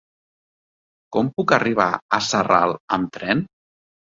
Com puc arribar a Sarral amb tren?